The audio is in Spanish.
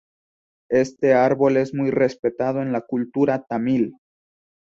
Este árbol es muy respetado en la cultura tamil.